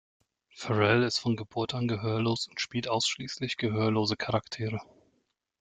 Ferrell ist von Geburt an gehörlos und spielt ausschließlich gehörlose Charaktere.